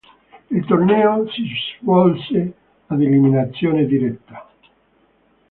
Il torneo si svolse ad eliminazione diretta.